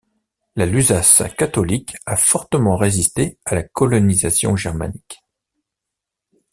La Lusace catholique a fortement résisté à la colonisation germanique.